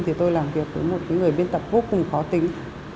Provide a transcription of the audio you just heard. thì tôi làm việc với một người biên tập vô cùng khó tính